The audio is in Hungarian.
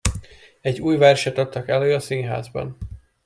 Egy új verset adtak elő a színházban.